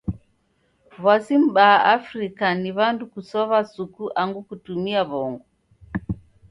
W'asi mbaa Afrika ni w'andu kusow'a suku angu kutumia w'ongo.